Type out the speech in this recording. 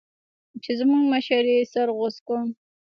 چې زموږ مشر يې سر غوڅ کړ.